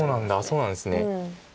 そうなんですね。